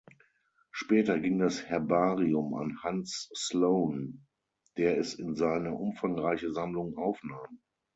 Später ging das Herbarium an Hans Sloane, der es in seine umfangreiche Sammlung aufnahm.